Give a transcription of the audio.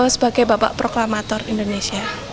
sebagai bapak proklamator indonesia